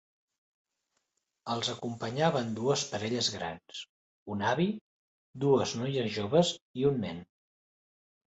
Els acompanyaven dues parelles grans, un avi, dues noies joves i un nen.